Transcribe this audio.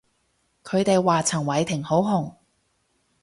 佢哋話陳偉霆好紅